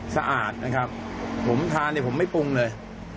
สะอาดผมทานผมไม่ปรุงเลย